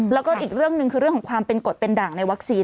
แล้วก็อีกเรื่องหนึ่งคือเรื่องของความเป็นกฎเป็นด่างในวัคซีน